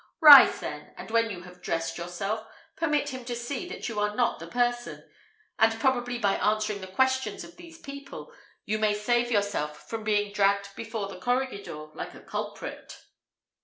Rise, then, and when you have dressed yourself, permit him to see that you are not the person, and probably by answering the questions of these people, you may save yourself from being dragged before the corregidor, like a culprit."